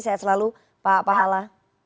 saya selalu pak hala